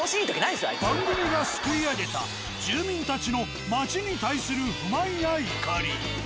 番組がすくい上げた住民たちの町に対する不満や怒り。